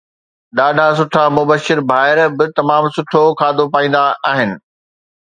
ڏاڍا سٺا مبشر ڀائر به تمام سٺو کاڌو پائيندا آهن